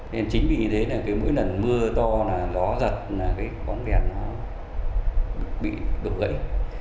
nên chính vì thế là mỗi lần mưa to gió giật là cái quán đèn nó bị đổ gãy